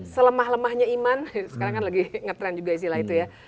selemah lemahnya iman sekarang kan lagi ngetrend juga istilah itu ya